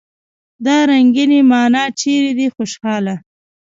دا رنګينې معنی چېرې دي خوشحاله!